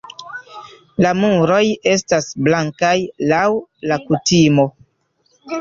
La muroj estas blankaj laŭ la kutimo.